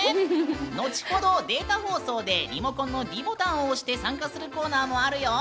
後ほどデータ放送で、リモコンのｄボタンを押して参加するコーナーもあるよ。